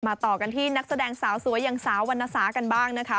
ต่อกันที่นักแสดงสาวสวยอย่างสาววรรณสากันบ้างนะคะ